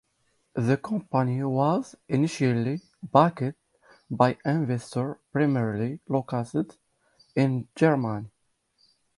The company was initially backed by investors primarily located in Germany.